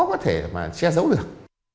có thể mà che sạch